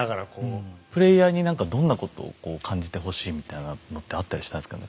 プレイヤーに何かどんなことを感じてほしいみたいなのってあったりしたんですか？